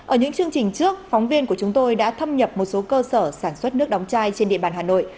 ở những chương trình trước phóng viên của chúng tôi đã thâm nhập một số cơ sở sản xuất nước đóng chai trên địa bàn hà nội